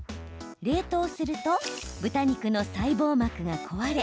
冷凍すると豚肉の細胞膜が壊れ